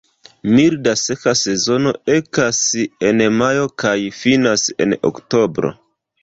Milda, seka sezono ekas en majo kaj finas en oktobro.